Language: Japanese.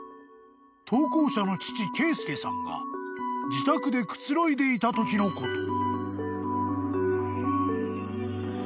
［投稿者の父敬介さんが自宅でくつろいでいたときのこと］